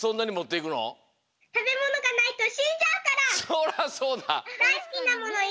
そらそうだ！